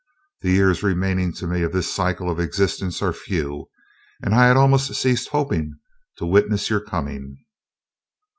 The years remaining to me of this cycle of existence are few, and I had almost ceased hoping to witness your coming."